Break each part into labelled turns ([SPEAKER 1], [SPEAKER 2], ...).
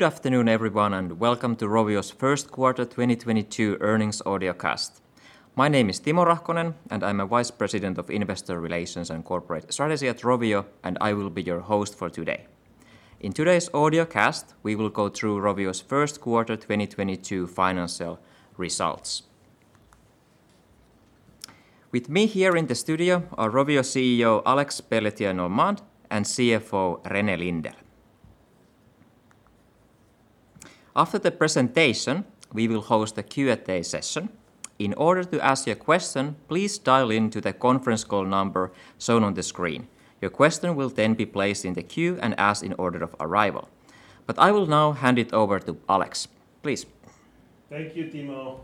[SPEAKER 1] Good afternoon, everyone, and welcome to Rovio's first quarter 2022 earnings audio cast. My name is Timo Rahkonen, and I'm a vice president of Investor Relations and Corporate Strategy at Rovio, and I will be your host for today. In today's audio cast, we will go through Rovio's first quarter 2022 financial results. With me here in the studio are Rovio CEO Alexandre Pelletier-Normand and CFO René Lindell. After the presentation, we will host a Q&A session. In order to ask your question, please dial into the conference call number shown on the screen. Your question will then be placed in the queue and asked in order of arrival. I will now hand it over to Alex. Please.
[SPEAKER 2] Thank you, Timo.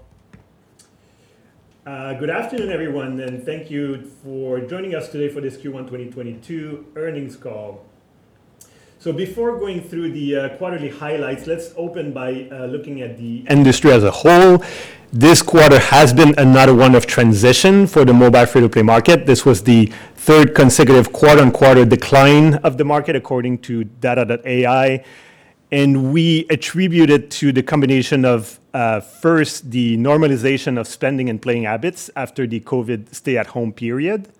[SPEAKER 2] Good afternoon, everyone, and thank you for joining us today for this Q1 2022 earnings call. Before going through the quarterly highlights, let's open by looking at the industry as a whole. This quarter has been another one of transition for the mobile free-to-play market. This was the third consecutive quarter-over-quarter decline of the market according to data.ai, and we attribute it to the combination of first, the normalization of spending and playing habits after the COVID stay-at-home period,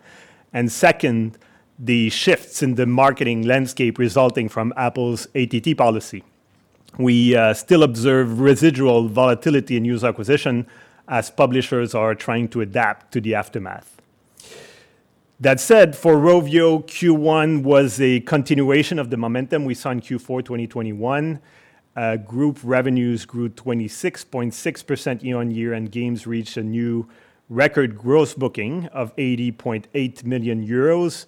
[SPEAKER 2] and second, the shifts in the marketing landscape resulting from Apple's ATT policy. We still observe residual volatility in user acquisition as publishers are trying to adapt to the aftermath. That said, for Rovio, Q1 was a continuation of the momentum we saw in Q4 2021. Group revenues grew 26.6% year-on-year, and games reached a new record gross booking of 80.8 million euros,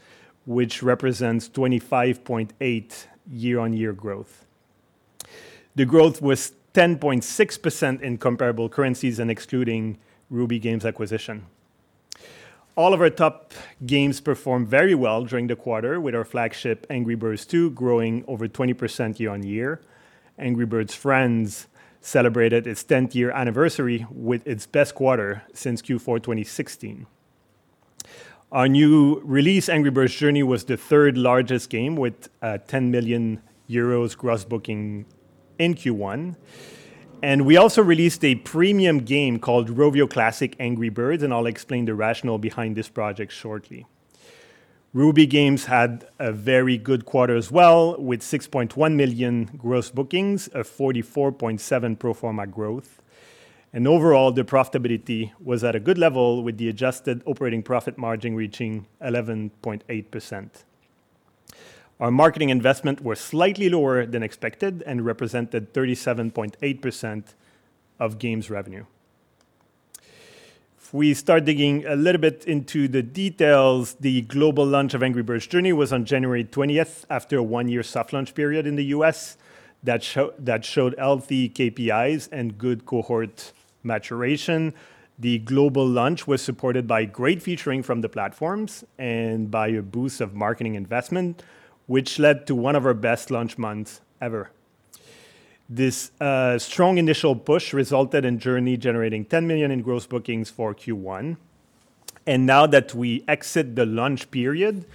[SPEAKER 2] which represents 25.8% year-on-year growth. The growth was 10.6% in comparable currencies and excluding Ruby Games acquisition. All of our top games performed very well during the quarter with our flagship Angry Birds 2 growing over 20% year-on-year. Angry Birds Friends celebrated its 10th anniversary with its best quarter since Q4 2016. Our new release, Angry Birds Journey, was the third largest game with 10 million euros gross booking in Q1. We also released a premium game called Rovio Classics: Angry Birds, and I'll explain the rationale behind this project shortly. Ruby Games had a very good quarter as well with 6.1 million gross bookings, a 44.7% pro forma growth. Overall, the profitability was at a good level with the adjusted operating profit margin reaching 11.8%. Our marketing investment was slightly lower than expected and represented 37.8% of Games revenue. If we start digging a little bit into the details, the global launch of Angry Birds Journey was on January twentieth after a one-year soft launch period in the U.S. that showed healthy KPIs and good cohort maturation. The global launch was supported by great featuring from the platforms and by a boost of marketing investment, which led to one of our best launch months ever. This strong initial push resulted in Journey generating 10 million in gross bookings for Q1. Now that we exit the launch period,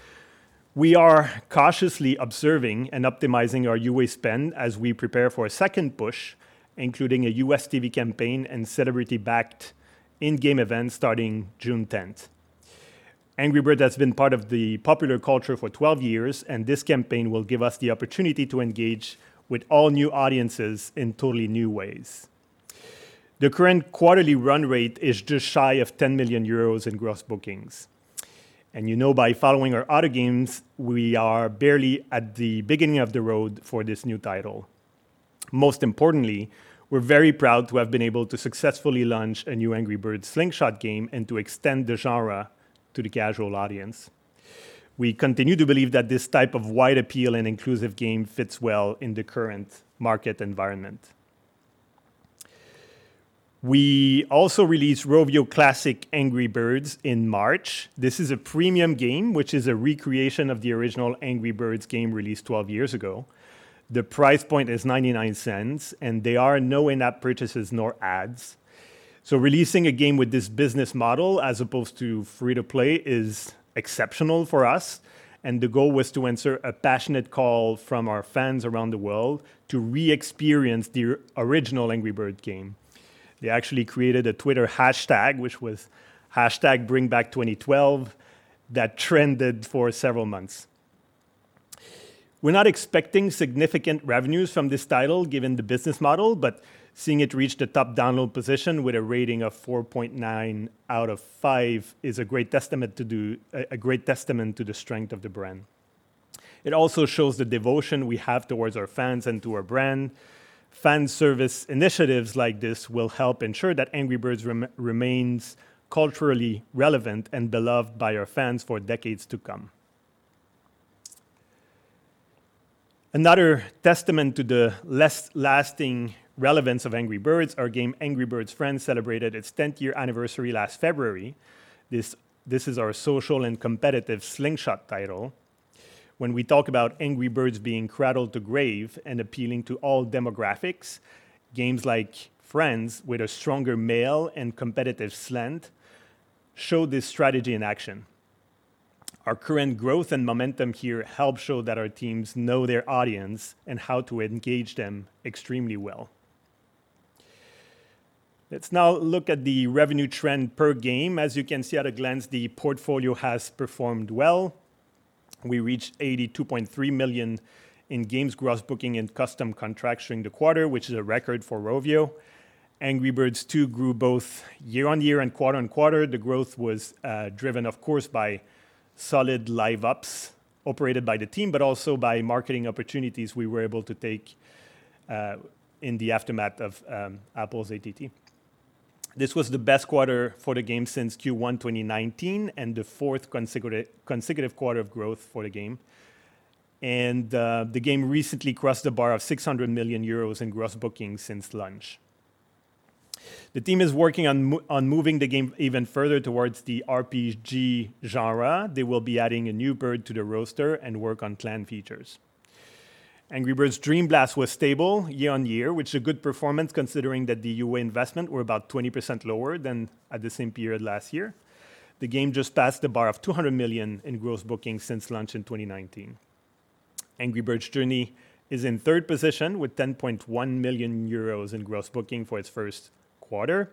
[SPEAKER 2] we are cautiously observing and optimizing our UA spend as we prepare for a second push, including a U.S. TV campaign and celebrity-backed in-game event starting June tenth. Angry Birds has been part of the popular culture for 12 years, and this campaign will give us the opportunity to engage with all new audiences in totally new ways. The current quarterly run rate is just shy of 10 million euros in gross bookings. You know by following our other games, we are barely at the beginning of the road for this new title. Most importantly, we're very proud to have been able to successfully launch a new Angry Birds slingshot game and to extend the genre to the casual audience. We continue to believe that this type of wide appeal and inclusive game fits well in the current market environment. We also released Rovio Classics: Angry Birds in March. This is a premium game, which is a recreation of the original Angry Birds game released 12 years ago. The price point is 0.99, and there are no in-app purchases nor ads. Releasing a game with this business model as opposed to free-to-play is exceptional for us, and the goal was to answer a passionate call from our fans around the world to re-experience the original Angry Birds game. They actually created a Twitter hashtag, which was hashtag BringBackTwentyTwelve that trended for several months. We're not expecting significant revenues from this title given the business model, but seeing it reach the top download position with a rating of 4.9 out of five is a great testament to the strength of the brand. It also shows the devotion we have towards our fans and to our brand. Fan service initiatives like this will help ensure that Angry Birds remains culturally relevant and beloved by our fans for decades to come. Another testament to the lasting relevance of Angry Birds, our game Angry Birds Friends celebrated its 10th year anniversary last February. This is our social and competitive slingshot title. When we talk about Angry Birds being cradle to grave and appealing to all demographics, games like Friends with a stronger male and competitive slant show this strategy in action. Our current growth and momentum here help show that our teams know their audience and how to engage them extremely well. Let's now look at the revenue trend per game. As you can see at a glance, the portfolio has performed well. We reached 82.3 million in games gross bookings and custom contracts during the quarter, which is a record for Rovio. Angry Birds two grew both year-on-year and quarter-on-quarter. The growth was driven of course by solid live ops operated by the team, but also by marketing opportunities we were able to take in the aftermath of Apple's ATT. This was the best quarter for the game since Q1 2019, and the fourth consecutive quarter of growth for the game. The game recently crossed the bar of 600 million euros in gross bookings since launch. The team is working on moving the game even further towards the RPG genre. They will be adding a new bird to the roster and work on clan features. Angry Birds Dream Blast was stable year-on-year, which is a good performance considering that the UA investment were about 20% lower than at the same period last year. The game just passed the bar of 200 million in gross bookings since launch in 2019. Angry Birds Journey is in third position with 10.1 million euros in gross bookings for its first quarter.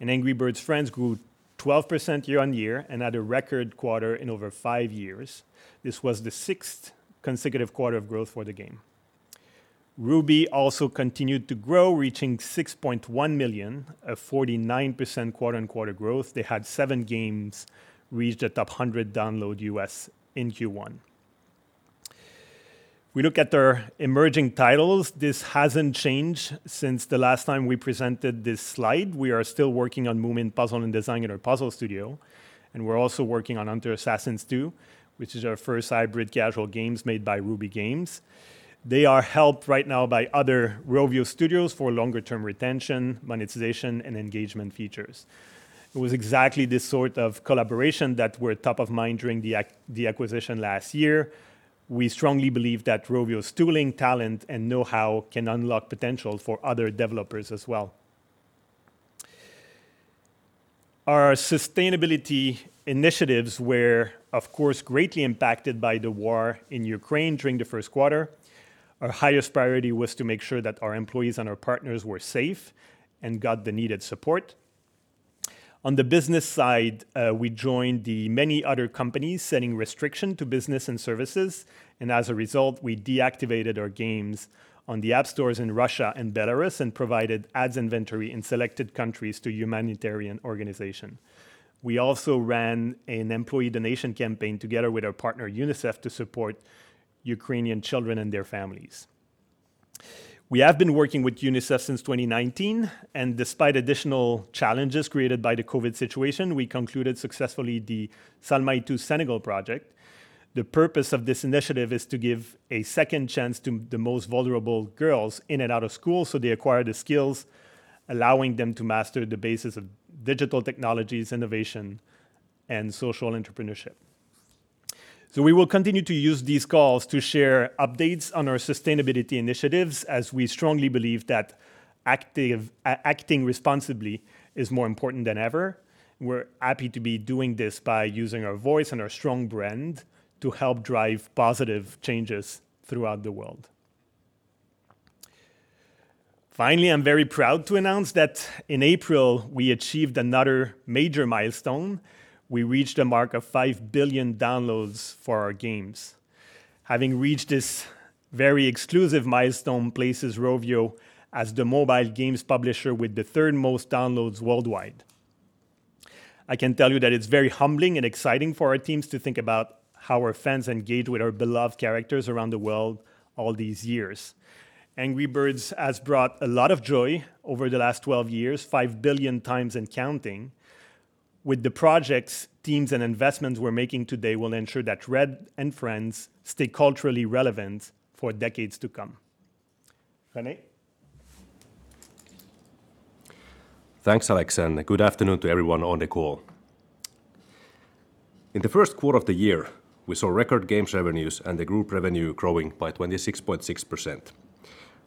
[SPEAKER 2] Angry Birds Friends grew 12% year-on-year and had a record quarter in over five years. This was the sixth consecutive quarter of growth for the game. Ruby also continued to grow, reaching 6.1 million, a 49% quarter-on-quarter growth. They had seven games reach the top 100 downloads in the U.S. In Q1. If we look at their emerging titles, this hasn't changed since the last time we presented this slide. We are still working on Moomin: Puzzle & Design in our puzzle studio, and we're also working on Hunter Assassin 2 which is our first hybrid-casual games made by Ruby Games. They are helped right now by other Rovio studios for longer-term retention, monetization, and engagement features. It was exactly this sort of collaboration that were top of mind during the acquisition last year. We strongly believe that Rovio's tooling, talent, and know-how can unlock potential for other developers as well. Our sustainability initiatives were, of course, greatly impacted by the war in Ukraine during the first quarter. Our highest priority was to make sure that our employees and our partners were safe and got the needed support. On the business side, we joined the many other companies setting restriction to business and services, and as a result, we deactivated our games on the app stores in Russia and Belarus, and provided ads inventory in selected countries to humanitarian organization. We also ran an employee donation campaign together with our partner, UNICEF, to support Ukrainian children and their families. We have been working with UNICEF since 2019, and despite additional challenges created by the COVID situation, we concluded successfully the Salma project. The purpose of this initiative is to give a second chance to the most vulnerable girls in and out of school, so they acquire the skills allowing them to master the basics of digital technologies, innovation, and social entrepreneurship. We will continue to use these calls to share updates on our sustainability initiatives, as we strongly believe that actively acting responsibly is more important than ever. We're happy to be doing this by using our voice and our strong brand to help drive positive changes throughout the world. Finally, I'm very proud to announce that in April, we achieved another major milestone. We reached a mark of 5 billion downloads for our games. Having reached this very exclusive milestone places Rovio as the mobile games publisher with the third most downloads worldwide. I can tell you that it's very humbling and exciting for our teams to think about how our fans engage with our beloved characters around the world all these years. Angry Birds has brought a lot of joy over the last 12 years, 5 billion times and counting. With the projects, teams, and investments we're making today will ensure that Red and friends stay culturally relevant for decades to come. René?
[SPEAKER 3] Thanks, Alexandre. Good afternoon to everyone on the call. In the first quarter of the year, we saw record games revenues and the group revenue growing by 26.6%.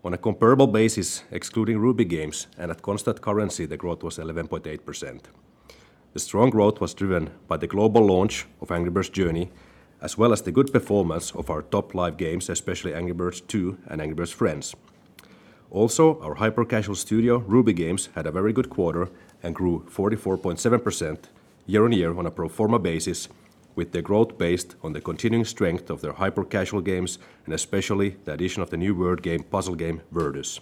[SPEAKER 3] On a comparable basis, excluding Ruby Games and at constant currency, the growth was 11.8%. The strong growth was driven by the global launch of Angry Birds Journey, as well as the good performance of our top live games, especially Angry Birds 2 and Angry Birds Friends. Also, our hyper-casual studio, Ruby Games, had a very good quarter and grew 44.7% year-over-year on a pro forma basis, with the growth based on the continuing strength of their hyper-casual games and especially the addition of the new word game, puzzle game, Wordus.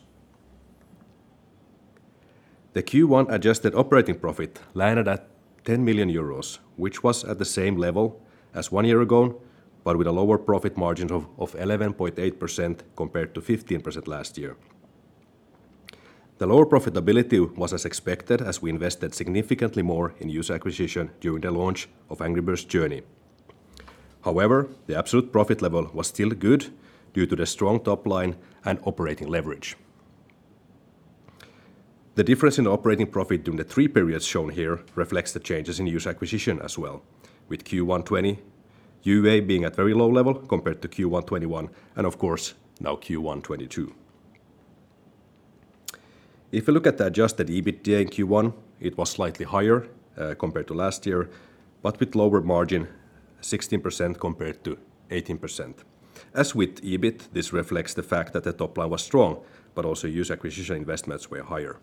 [SPEAKER 3] The Q1 adjusted operating profit landed at 10 million euros, which was at the same level as one year ago, but with a lower profit margin of 11.8% compared to 15% last year. The lower profitability was as expected as we invested significantly more in user acquisition during the launch of Angry Birds Journey. However, the absolute profit level was still good due to the strong top line and operating leverage. The difference in operating profit during the three periods shown here reflects the changes in user acquisition as well, with Q1 2020 UA being at very low level compared to Q1 2021 and of course now Q1 2022. If you look at the adjusted EBITDA in Q1, it was slightly higher compared to last year, but with lower margin 16% compared to 18%. As with EBIT, this reflects the fact that the top line was strong but also user acquisition investments were higher.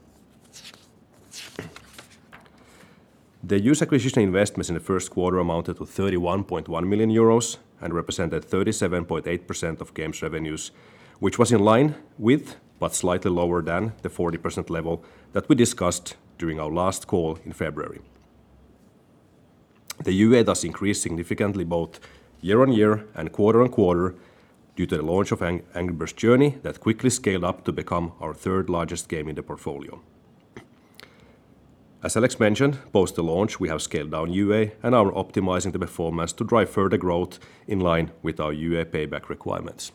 [SPEAKER 3] The user acquisition investments in the first quarter amounted to 31.1 million euros and represented 37.8% of Games' revenues, which was in line with but slightly lower than the 40% level that we discussed during our last call in February. The UA thus increased significantly both year-on-year and quarter-on-quarter due to the launch of Angry Birds Journey that quickly scaled up to become our third largest game in the portfolio. As Alex mentioned, post the launch, we have scaled down UA and are optimizing the performance to drive further growth in line with our UA payback requirements.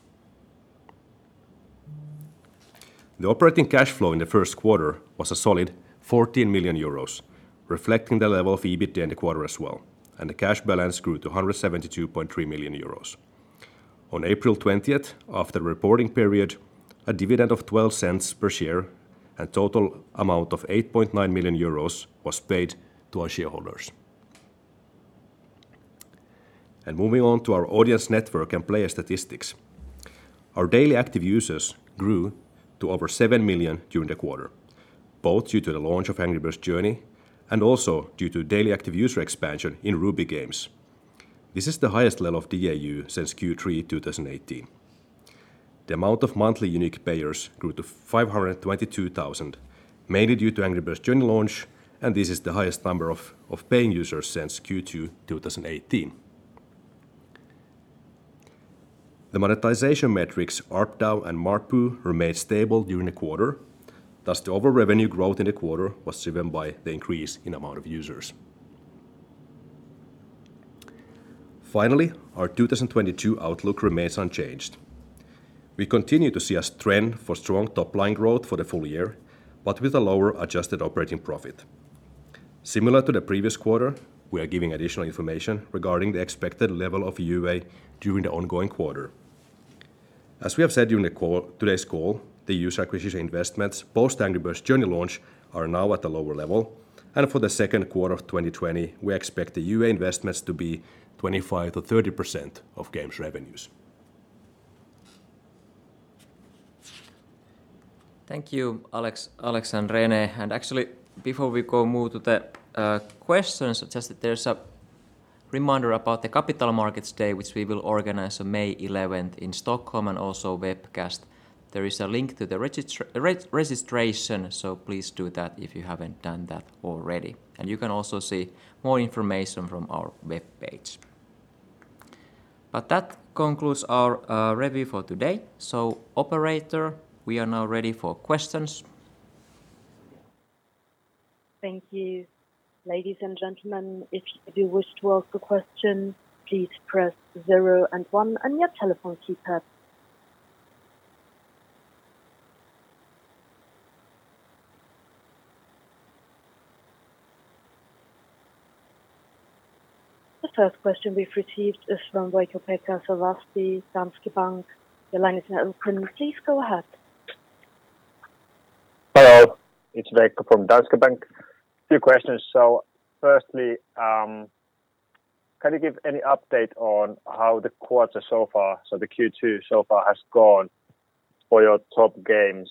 [SPEAKER 3] The operating cash flow in the first quarter was a solid 14 million euros, reflecting the level of EBITDA in the quarter as well, and the cash balance grew to 172.3 million euros. On April twentieth, after the reporting period, a dividend of 0.12 per share and total amount of 8.9 million euros was paid to our shareholders. Moving on to our audience network and player statistics. Our daily active users grew to over 7 million during the quarter, both due to the launch of Angry Birds Journey and also due to daily active user expansion in Ruby Games. This is the highest level of DAU since Q3 2018. The amount of monthly unique payers grew to 522,000, mainly due to Angry Birds Journey launch, and this is the highest number of paying users since Q2 2018. The monetization metrics, ARPDAU and ARPU, remained stable during the quarter. Thus, the overall revenue growth in the quarter was driven by the increase in amount of users. Finally, our 2022 outlook remains unchanged. We continue to see a trend for strong top-line growth for the full year but with a lower adjusted operating profit. Similar to the previous quarter, we are giving additional information regarding the expected level of UA during the ongoing quarter. As we have said during the call, today's call, the user acquisition investments post Angry Birds Journey launch are now at a lower level, and for the second quarter of 2020, we expect the UA investments to be 25%-30% of Games' revenues.
[SPEAKER 1] Thank you, Alex and René. Actually, before we move to the questions, just that there's a reminder about the Capital Markets Day, which we will organize on May 11 in Stockholm and also webcast. There is a link to the registration, so please do that if you haven't done that already. You can also see more information from our webpage. That concludes our review for today. Operator, we are now ready for questions.
[SPEAKER 4] Thank you. Ladies and gentlemen, if you do wish to ask a question, please press zero and one on your telephone keypad. The first question we've received is from Veikkopekka Silvasti, Danske Bank. Your line is now open. Please go ahead.
[SPEAKER 5] Hello. It's Veikkopekka from Danske Bank. Few questions. Firstly, can you give any update on how the quarter so far, so the Q2 so far has gone for your top games?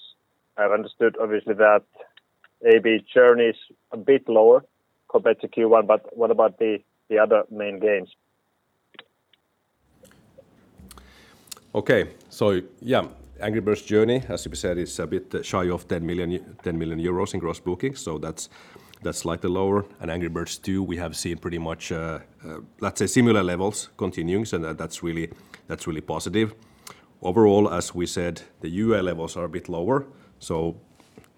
[SPEAKER 5] I've understood obviously that AB Journey is a bit lower compared to Q1, but what about the other main games?
[SPEAKER 3] Okay. Yeah, Angry Birds Journey, as we said, is a bit shy of 10 million euros in gross bookings, so that's slightly lower. Angry Birds 2, we have seen pretty much, let's say similar levels continuing, so that's really positive. Overall, as we said, the UA levels are a bit lower, so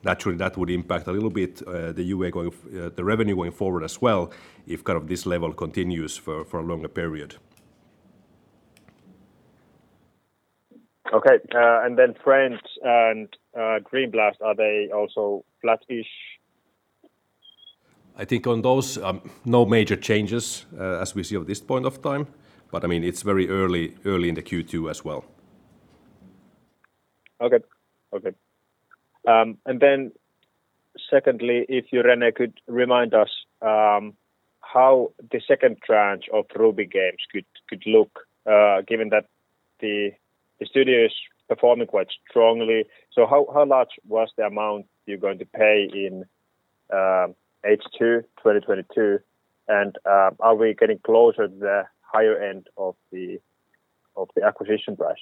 [SPEAKER 3] naturally, that would impact a little bit, the revenue going forward as well if kind of this level continues for a longer period.
[SPEAKER 5] Okay. Friends and Dream Blast, are they also flat-ish?
[SPEAKER 3] I think on those, no major changes, as we see at this point of time, but I mean, it's very early in the Q2 as well.
[SPEAKER 5] Secondly, if you, René, could remind us how the second tranche of Ruby Games could look, given that the studio is performing quite strongly. How large was the amount you're going to pay in H2 2022? Are we getting closer to the higher end of the acquisition price?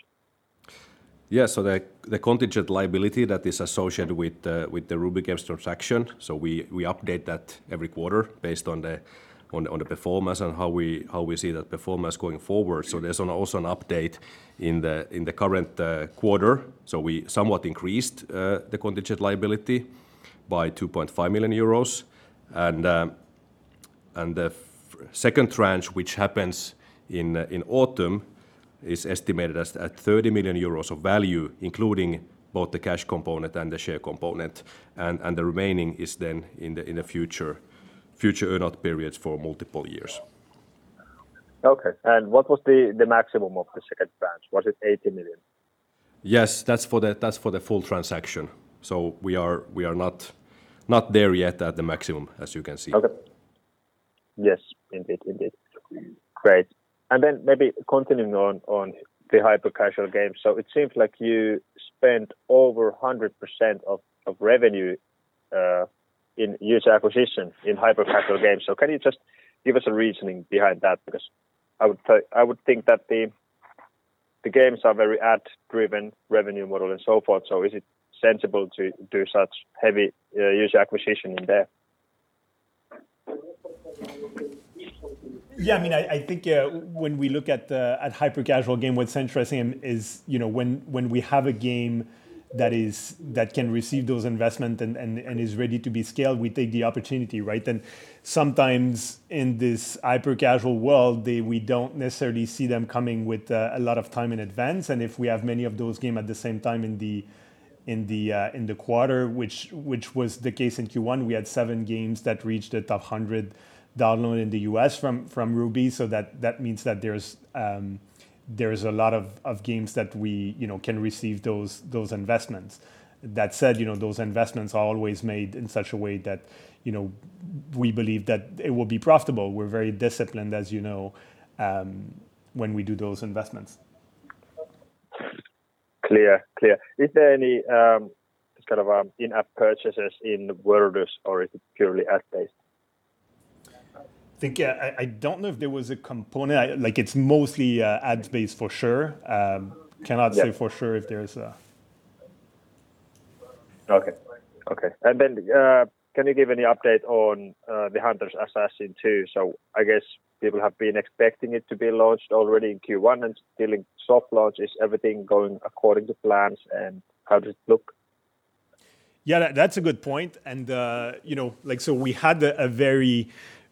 [SPEAKER 3] The contingent liability that is associated with the Ruby Games transaction. We update that every quarter based on the performance and how we see that performance going forward. There's also an update in the current quarter. We somewhat increased the contingent liability by 2.5 million euros, and the second tranche which happens in autumn is estimated at 30 million euros of value, including both the cash component and the share component. The remaining is then in the future earn-out periods for multiple years.
[SPEAKER 5] Okay. What was the maximum of the second tranche? Was it 80 million?
[SPEAKER 3] Yes. That's for the full transaction. We are not there yet at the maximum, as you can see.
[SPEAKER 5] Okay. Yes, indeed. Great. Then maybe continuing on the hyper-casual games. It seems like you spent over 100% of revenue in user acquisition in hyper-casual games. Can you just give us a reasoning behind that? Because I would think that the games are very ad-driven revenue model and so forth, is it sensible to do such heavy user acquisition in there?
[SPEAKER 2] Yeah, I mean, I think when we look at the hyper-casual game, what's interesting is, you know, when we have a game that can receive those investments and is ready to be scaled, we take the opportunity, right? Sometimes in this hyper-casual world, we don't necessarily see them coming with a lot of time in advance. If we have many of those games at the same time in the quarter, which was the case in Q1, we had seven games that reached the top 100 downloads in the U.S. from Ruby. So that means that there's a lot of games that we, you know, can receive those investments. That said, you know, those investments are always made in such a way that, you know, we believe that it will be profitable. We're very disciplined, as you know, when we do those investments.
[SPEAKER 5] Clear. Is there any kind of in-app purchases in the world or is it purely ad based?
[SPEAKER 2] I think, yeah. I don't know if there was a component. Like, it's mostly ad based for sure. Cannot say.
[SPEAKER 5] Yeah
[SPEAKER 2] for sure if there's a.
[SPEAKER 5] Okay. Can you give any update on the Hunter Assassin 2? I guess people have been expecting it to be launched already in Q1, and still in soft launch. Is everything going according to plans, and how does it look?
[SPEAKER 2] Yeah, that's a good point. You know, like, so we had a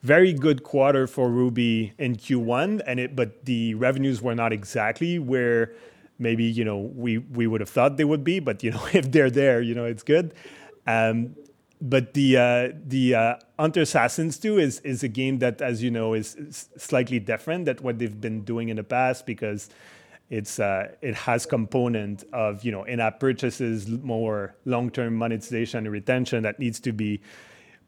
[SPEAKER 2] very good quarter for Ruby in Q1, but the revenues were not exactly where maybe, you know, we would have thought they would be. You know, if they're there, you know, it's good. The Hunter Assassin 2 is a game that, as you know, is slightly different than what they've been doing in the past because it has component of, you know, in-app purchases, more long-term monetization and retention that needs to be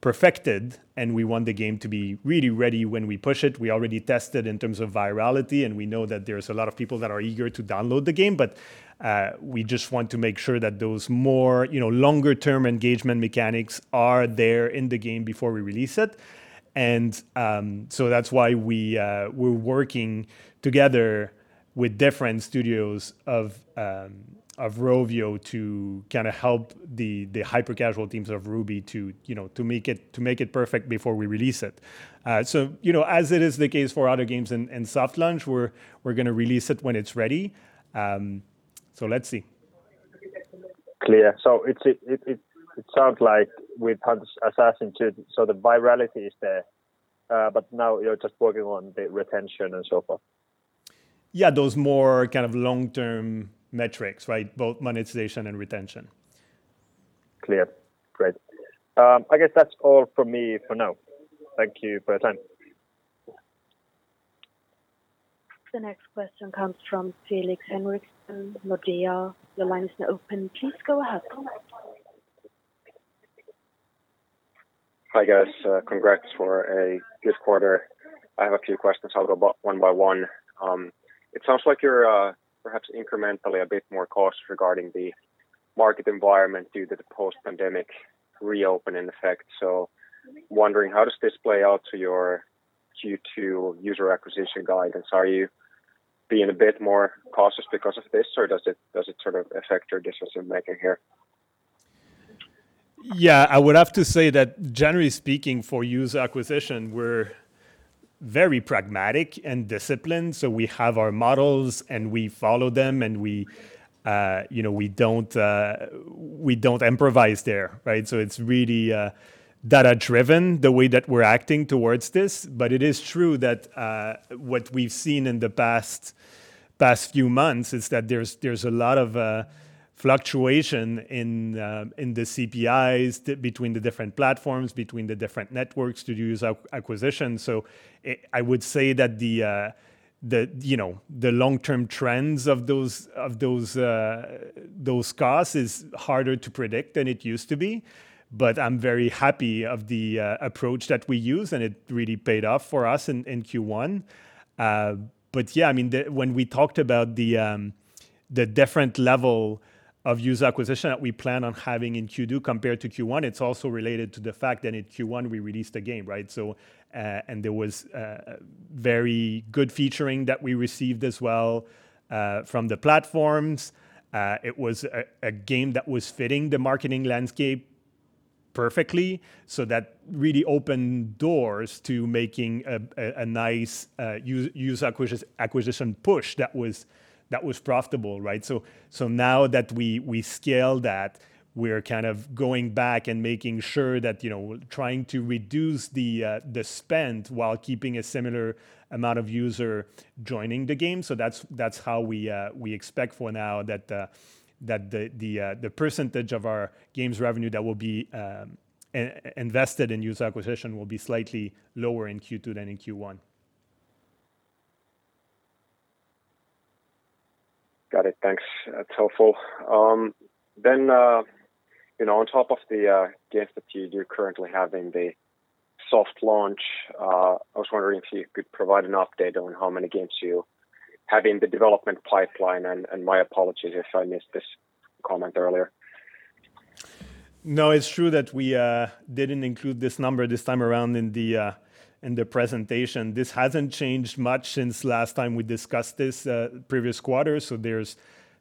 [SPEAKER 2] perfected, and we want the game to be really ready when we push it. We already tested in terms of virality, and we know that there's a lot of people that are eager to download the game, but we just want to make sure that those more, you know, longer term engagement mechanics are there in the game before we release it. That's why we're working together with different studios of Rovio to kind of help the hyper-casual teams of Ruby to, you know, to make it perfect before we release it. You know, as it is the case for other games in soft launch, we're gonna release it when it's ready. Let's see.
[SPEAKER 5] Clear. It sounds like with Hunter Assassin 2, so the virality is there, but now you're just working on the retention and so forth.
[SPEAKER 2] Yeah. Those more kind of long-term metrics, right? Both monetization and retention.
[SPEAKER 5] Clear. Great. I guess that's all from me for now. Thank you for your time.
[SPEAKER 4] The next question comes from Felix Henriksson, Nordea. Your line is now open. Please go ahead.
[SPEAKER 6] Hi, guys. Congrats for a good quarter. I have a few questions. I'll go one by one. It sounds like you're perhaps incrementally a bit more cautious regarding the market environment due to the post-pandemic reopening effect. Wondering, how does this play out to your Q2 user acquisition guidance? Are you being a bit more cautious because of this, or does it sort of affect your decision-making here?
[SPEAKER 2] Yeah. I would have to say that generally speaking, for user acquisition, we're very pragmatic and disciplined. We have our models, and we follow them, and we, you know, we don't, we don't improvise there, right? It's really data-driven, the way that we're acting towards this. It is true that what we've seen in the past few months is that there's a lot of fluctuation in the CPIs between the different platforms, between the different networks to use acquisition. I would say that the, you know, the long-term trends of those costs is harder to predict than it used to be. I'm very happy of the approach that we use, and it really paid off for us in Q1. Yeah, I mean, when we talked about the different level of user acquisition that we plan on having in Q2 compared to Q1, it's also related to the fact that in Q1 we released a game, right? And there was very good featuring that we received as well from the platforms. It was a game that was fitting the marketing landscape perfectly. So that really opened doors to making a nice user acquisition push that was profitable, right? So now that we scale that, we're kind of going back and making sure that, you know, trying to reduce the spend while keeping a similar amount of user joining the game. That's how we expect for now that the percentage of our games revenue that will be invested in user acquisition will be slightly lower in Q2 than in Q1.
[SPEAKER 6] Got it. Thanks. That's helpful. You know, on top of the games that you're currently having the soft launch, I was wondering if you could provide an update on how many games you have in the development pipeline? My apologies if I missed this comment earlier.
[SPEAKER 2] No, it's true that we didn't include this number this time around in the presentation. This hasn't changed much since last time we discussed this previous quarter. There's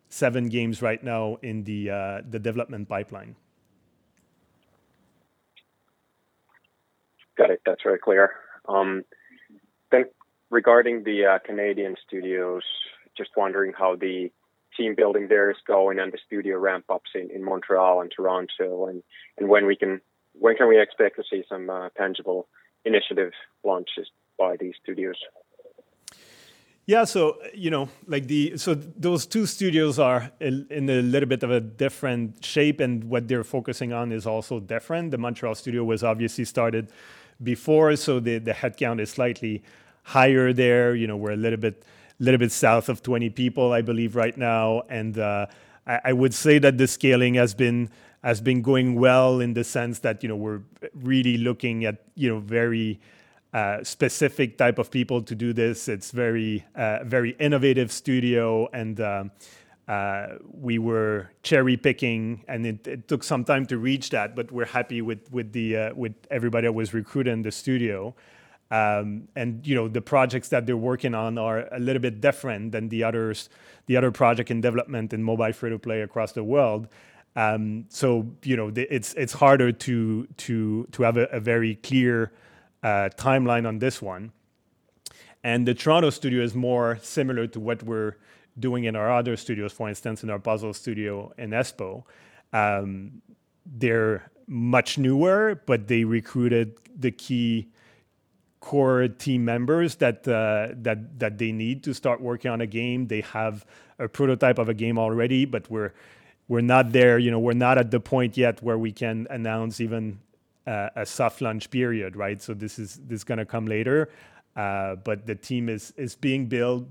[SPEAKER 2] seven games right now in the development pipeline.
[SPEAKER 6] Got it. That's very clear. Regarding the Canadian studios, just wondering how the team building there is going and the studio ramp-ups in Montreal and Toronto and when can we expect to see some tangible initiative launches by these studios?
[SPEAKER 2] You know, like those two studios are in a little bit of a different shape, and what they're focusing on is also different. The Montreal studio was obviously started before, so the headcount is slightly higher there. You know, we're a little bit south of 20 people, I believe right now. I would say that the scaling has been going well in the sense that, you know, we're really looking at, you know, very specific type of people to do this. It's very innovative studio and we were cherry-picking, and it took some time to reach that, but we're happy with everybody that was recruited in the studio. You know, the projects that they're working on are a little bit different than the others, the other project in development in mobile free-to-play across the world. You know, it's harder to have a very clear timeline on this one. The Toronto studio is more similar to what we're doing in our other studios, for instance, in our puzzle studio in Espoo. They're much newer, but they recruited the key core team members that they need to start working on a game. They have a prototype of a game already, but we're not there. You know, we're not at the point yet where we can announce even a soft launch period, right? This is gonna come later. The team is being built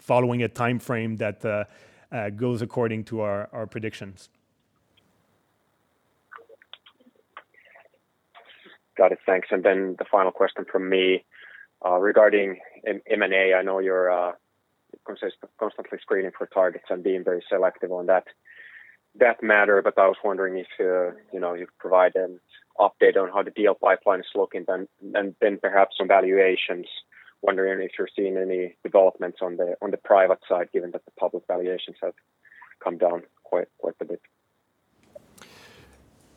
[SPEAKER 2] following a timeframe that goes according to our predictions.
[SPEAKER 6] Got it. Thanks. The final question from me, regarding M and A. I know you're constantly screening for targets and being very selective on that matter. I was wondering if, you know, you could provide an update on how the deal pipeline is looking then, and then perhaps some valuations. Wondering if you're seeing any developments on the private side, given that the public valuations have come down quite a bit.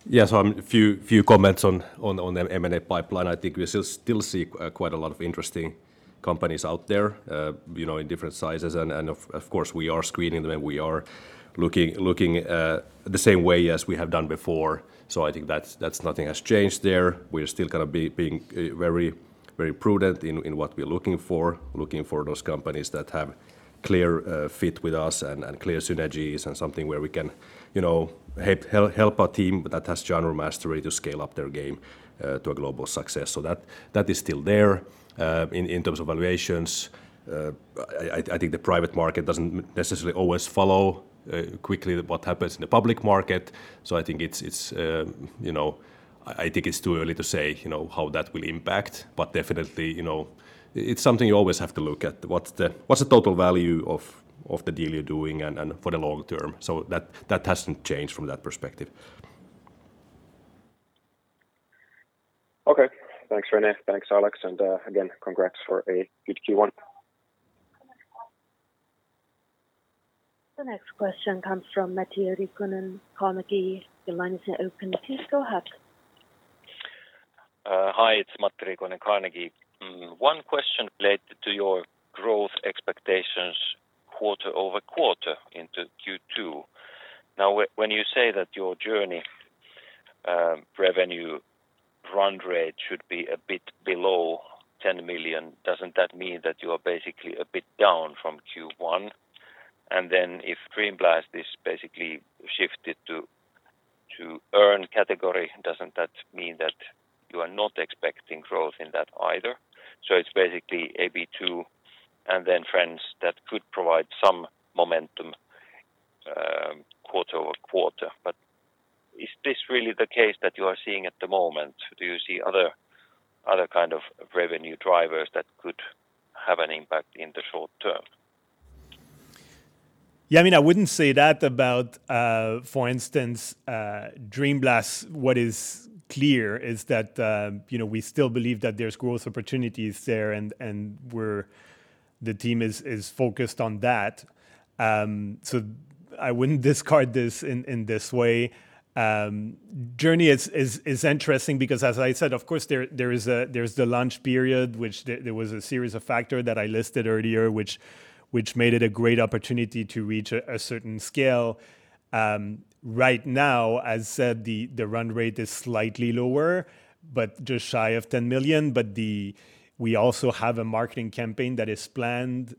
[SPEAKER 3] Yeah. A few comments on the M and A pipeline. I think we still see quite a lot of interesting companies out there, you know, in different sizes. Of course, we are screening them. We are looking the same way as we have done before. I think that's nothing has changed there. We are still gonna be very prudent in what we're looking for, looking for those companies that have clear fit with us and clear synergies and something where we can, you know, help our team that has genre mastery to scale up their game to a global success. That is still there. In terms of valuations, I think the private market doesn't necessarily always follow quickly what happens in the public market. I think it's you know I think it's too early to say, you know, how that will impact, but definitely, you know, it's something you always have to look at. What's the total value of the deal you're doing and for the long term? That hasn't changed from that perspective.
[SPEAKER 6] Okay. Thanks, René. Thanks, Alex. Congrats for a good Q1.
[SPEAKER 4] The next question comes from Matti Riikonen, Carnegie. Your line is now open. Please go ahead.
[SPEAKER 7] Hi, it's Matti Riikonen, Carnegie. One question related to your growth expectations quarter-over-quarter into Q2. Now, when you say that your Journey revenue run rate should be a bit below 10 million, doesn't that mean that you are basically a bit down from Q1? Then if Dream Blast is basically shifted to earn category, doesn't that mean that you are not expecting growth in that either? It's basically Angry Birds 2 and then Friends that could provide some momentum quarter-over-quarter. Is this really the case that you are seeing at the moment? Do you see other kind of revenue drivers that could have an impact in the short term?
[SPEAKER 2] Yeah. I mean, I wouldn't say that about, for instance, Dream Blast. What is clear is that, you know, we still believe that there's growth opportunities there, and the team is focused on that. I wouldn't discard this in this way. Journey is interesting because as I said, of course, there is the launch period, which there was a series of factors that I listed earlier, which made it a great opportunity to reach a certain scale. Right now, as said, the run rate is slightly lower, but just shy of 10 million. We also have a marketing campaign that is planned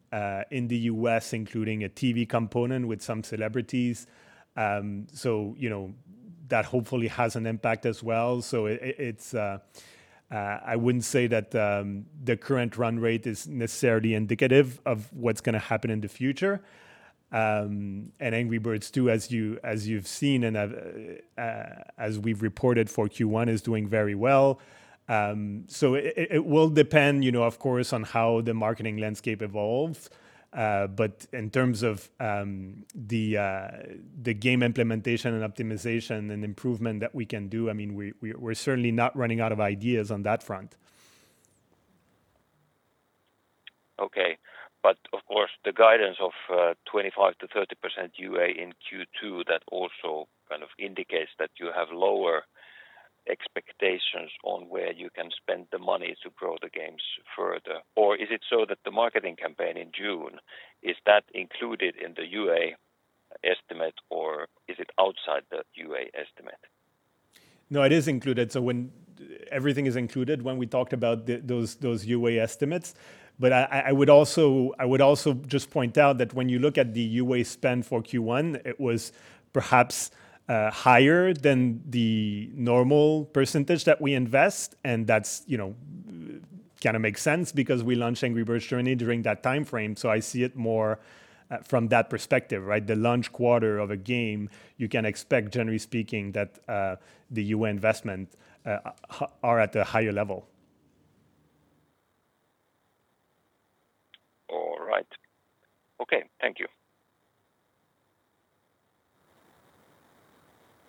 [SPEAKER 2] in the U.S., including a TV component with some celebrities. You know, that hopefully has an impact as well. I wouldn't say that the current run rate is necessarily indicative of what's gonna happen in the future. Angry Birds 2, as you've seen and as we've reported for Q1, is doing very well. It will depend, you know, of course, on how the marketing landscape evolves. In terms of the game implementation and optimization and improvement that we can do, I mean, we're certainly not running out of ideas on that front.
[SPEAKER 7] Okay. Of course, the guidance of 25%-30% UA in Q2, that also kind of indicates that you have lower expectations on where you can spend the money to grow the games further. Is it so that the marketing campaign in June, is that included in the UA estimate, or is it outside the UA estimate?
[SPEAKER 2] No, it is included. Everything is included when we talked about those UA estimates. I would also just point out that when you look at the UA spend for Q1, it was perhaps higher than the normal percentage that we invest, and that's, you know, kinda makes sense because we launched Angry Birds Journey during that timeframe. I see it more from that perspective, right? The launch quarter of a game, you can expect, generally speaking, that the UA investment are at a higher level.
[SPEAKER 7] All right. Okay. Thank you.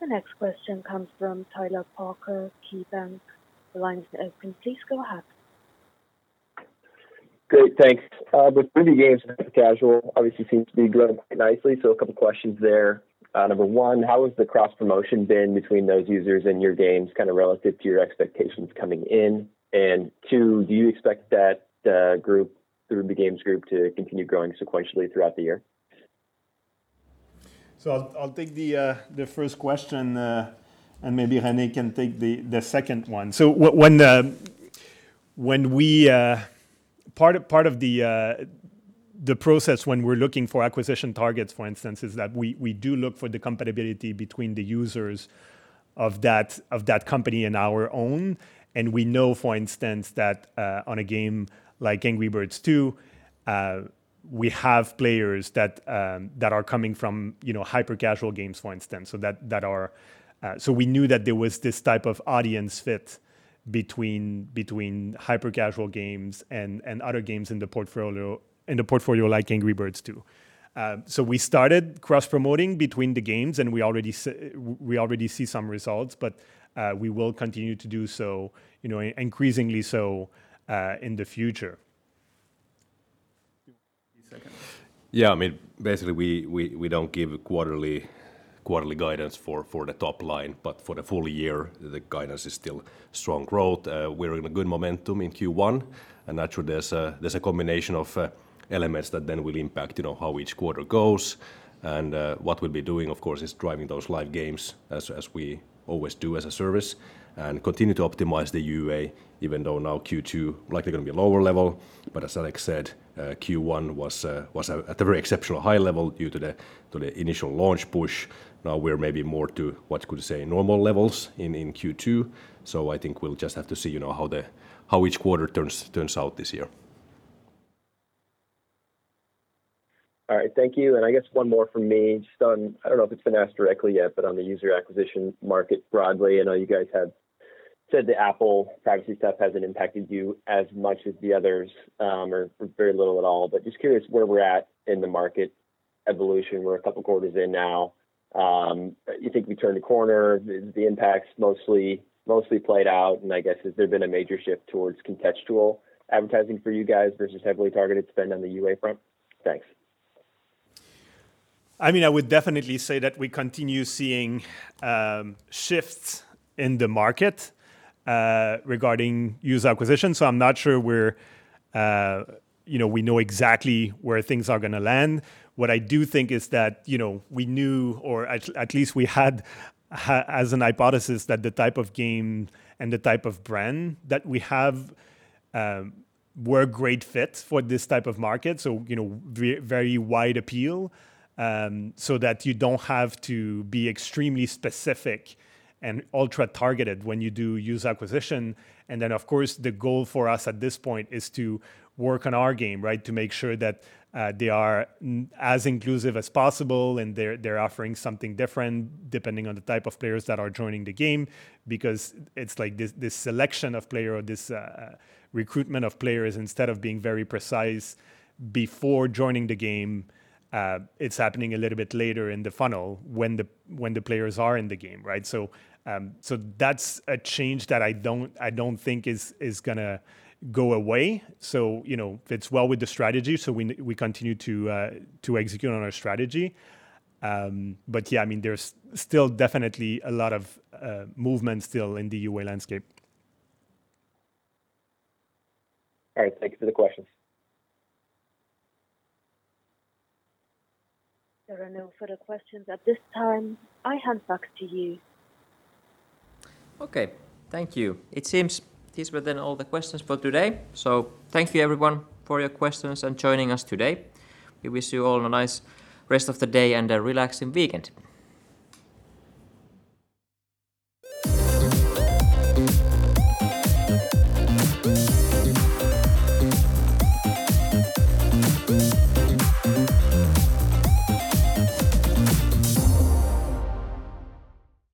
[SPEAKER 4] The next question comes from Tyler Parker, KeyBanc. The line's now open. Please go ahead.
[SPEAKER 8] Great. Thanks. The free-to-play games and casual obviously seems to be growing quite nicely, so a couple questions there. Number one, how has the cross-promotion been between those users and your games, kind of relative to your expectations coming in? Two, do you expect that group, through the games group, to continue growing sequentially throughout the year?
[SPEAKER 2] I'll take the first question, and maybe René can take the second one. Part of the process when we're looking for acquisition targets, for instance, is that we do look for the compatibility between the users of that company and our own. We know, for instance, that on a game like Angry Birds 2, we have players that are coming from, you know, hyper-casual games, for instance. We knew that there was this type of audience fit between hyper-casual games and other games in the portfolio like Angry Birds 2. We started cross-promoting between the games, and we already see some results, but we will continue to do so, you know, increasingly so, in the future.
[SPEAKER 3] The second. Yeah, I mean, basically, we don't give quarterly guidance for the top line. For the full year, the guidance is still strong growth. We're in good momentum in Q1. Actually, there's a combination of elements that then will impact, you know, how each quarter goes. What we'll be doing, of course, is driving those live games as we always do as a service, and continue to optimize the UA, even though now Q2 likely gonna be a lower level. As Alex said, Q1 was at a very exceptional high level due to the initial launch push. Now we're maybe more to what you could say normal levels in Q2. I think we'll just have to see, you know, how each quarter turns out this year.
[SPEAKER 8] All right. Thank you. I guess one more from me. Just on, I don't know if it's been asked directly yet, but on the user acquisition market broadly. I know you guys have said the Apple privacy stuff hasn't impacted you as much as the others, or very little at all. Just curious where we're at in the market evolution. We're a couple quarters in now. You think we turned a corner? Is the impacts mostly played out? I guess, has there been a major shift towards contextual advertising for you guys versus heavily targeted spend on the UA front? Thanks.
[SPEAKER 2] I mean, I would definitely say that we continue seeing shifts in the market regarding user acquisition. I'm not sure where you know we know exactly where things are gonna land. What I do think is that you know we knew or at least we had as a hypothesis that the type of game and the type of brand that we have were a great fit for this type of market. you know very wide appeal so that you don't have to be extremely specific and ultra-targeted when you do user acquisition. then of course the goal for us at this point is to work on our game right? To make sure that they are as inclusive as possible and they're offering something different depending on the type of players that are joining the game. Because it's like this selection of players or recruitment of players, instead of being very precise before joining the game, it's happening a little bit later in the funnel when the players are in the game, right? That's a change that I don't think is gonna go away. You know, fits well with the strategy, so we continue to execute on our strategy. Yeah, I mean, there's still definitely a lot of movement still in the UA landscape.
[SPEAKER 8] All right. Thank you for the questions.
[SPEAKER 4] There are no further questions at this time. I hand back to you.
[SPEAKER 3] Okay. Thank you. It seems these were then all the questions for today. Thank you everyone for your questions and joining us today. We wish you all a nice rest of the day and a relaxing weekend.